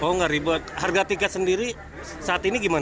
oh enggak ribet harga tiket sendiri saat ini gimana